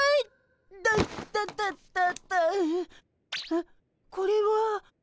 あっこれは。